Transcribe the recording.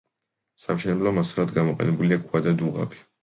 სამშენებლო მასალად გამოყენებულია ქვა და დუღაბი.